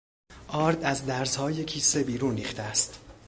آرد از درزهای کیسه بیرون ریخته است.